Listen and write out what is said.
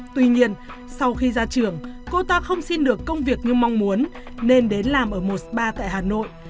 tuy nhiên sau khi ra trường cô ta không xin được công việc như mong muốn nên đến làm ở một spa tại hà nội